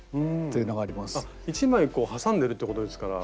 １枚挟んでるということですから。